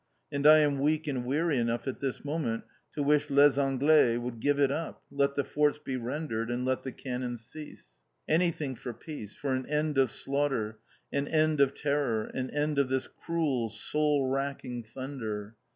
And I am weak and weary enough at this moment to wish les Anglais would give it up, let the forts be rendered, and let the cannons cease. Anything for peace, for an end of slaughter, an end of terror, an end of this cruel soul racking thunder.